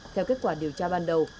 theo kết quả điều tra ban đầu